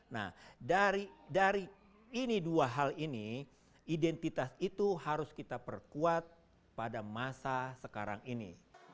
nah dari ini dua hal ini identitas itu harus kita perkuat pada masa sekarang ini